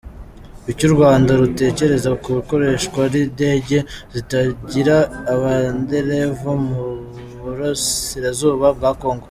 -Icyo u Rwanda rutekereza ku ikoreshwa ry’indege zitagira abaderevu mu burasirazuba bwa Congo